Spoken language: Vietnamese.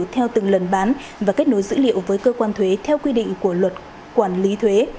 theo từng lần bán và kết nối dữ liệu với cơ quan thuế theo quy định của luật quản lý thuế